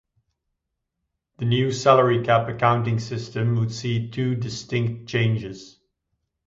The new salary cap accounting system would see two distinct changes.